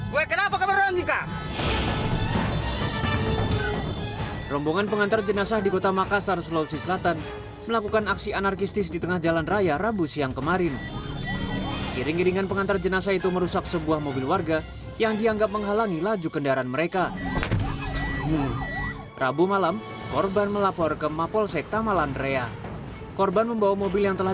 weh kenapa keberanggikan